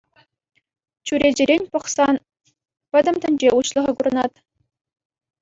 Чӳречерен пӑхсен пӗтӗм тӗнче уҫлӑхӗ курӑнать.